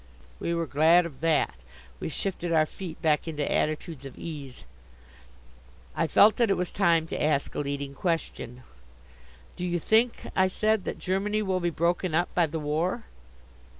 We were glad of that; we shifted our feet back into attitudes of ease. I felt that it was time to ask a leading question. "Do you think," I said, "that Germany will be broken up by the war?"